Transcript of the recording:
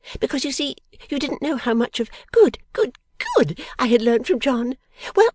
Because, you see, you didn't know how much of Good, Good, Good, I had learnt from John. Well!